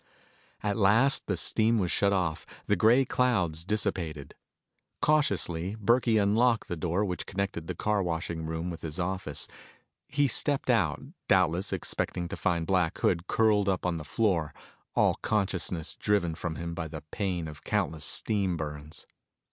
At last the steam was shut off, the gray clouds dissipated. Cautiously, Burkey unlocked the door which connected the car washing room with his office. He stepped out, doubtless expecting to find Black Hood curled up on the floor, all consciousness driven from him by the pain of countless steam burns.